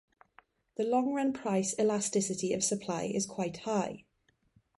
The long-run price elasticity of supply is quite high.